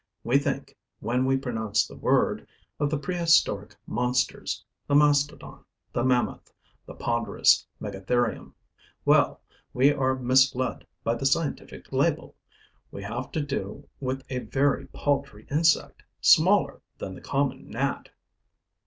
We think, when we pronounce the word, of the prehistoric monsters: the mastodon, the mammoth, the ponderous megatherium. Well, we are misled by the scientific label: we have to do with a very paltry insect, smaller than the common gnat.